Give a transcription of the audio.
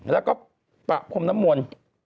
แล้วก็ประพรหมณมวล